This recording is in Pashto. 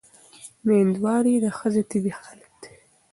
مېندواري د ښځې طبیعي حالت دی.